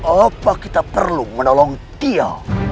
apa kita perlu menolong dia